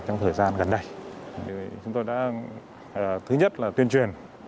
trong thời gian gần đây chúng tôi đã thứ nhất là tuyên truyền